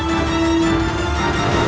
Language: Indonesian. untuk menghentikan kejahatanku